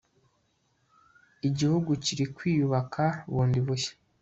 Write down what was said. igihugu kiri kwiyubaka bundi bushya